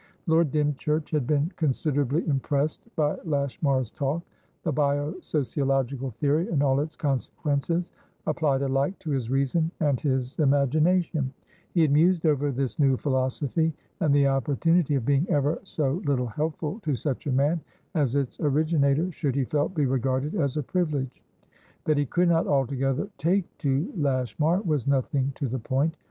Lord Dymchurch had been considerably impressed by Lashmar's talk; the bio sociological theory and all its consequences applied alike to his reason and his imagination; he had mused over this new philosophy, and the opportunity of being ever so little helpful to such a man as its originator should, he felt, be regarded as a privilege. That he could not altogether "take to" Lashmar was nothing to the point.